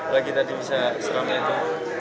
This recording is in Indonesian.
lagi tadi bisa selama itu